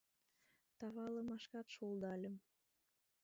Тавалымашкат шулдальым.